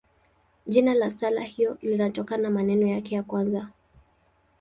Jina la sala hiyo linatokana na maneno yake ya kwanza.